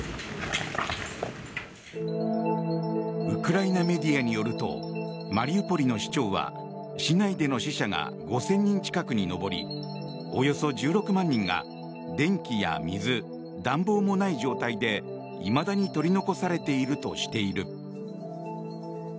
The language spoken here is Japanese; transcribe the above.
ウクライナメディアによるとマリウポリの市長は市内での死者が５０００人近くに上りおよそ１６万人が電気や水、暖房もない状態でいまだに取り残されているとしている。